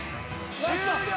終了。